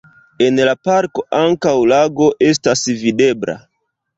En la parko ankaŭ lago estas videbla.